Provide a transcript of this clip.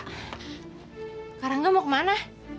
tak ada ga mau kemana